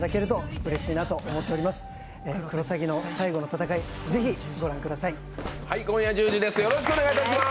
クロサギの最後の戦い、ぜひご覧ください。